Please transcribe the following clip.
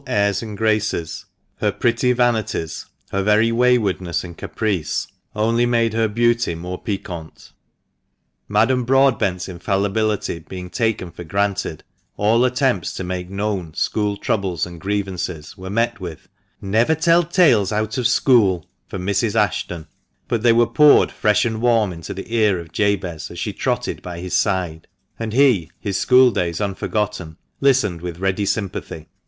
airs and graces, her pretty vanities, her very waywardness and caprice, only made her beauty more piquant. Madame Broadbent's infallibility being taken for granted, all attempts to make known school troubles and grievances were met with " Never tell tales out of school," from Mrs. Ashton, but they were poured fresh and warm into the ear of Jabez, as she trotted by his side ; and he, his school days unforgotten, listened with ready sympathy.